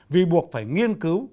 vì buộc phải nghiên cứu